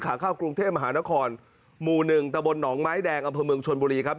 ขาเข้ากรุงเทพมหานครหมู่หนึ่งตะบนหนองไม้แดงอำเภอเมืองชนบุรีครับ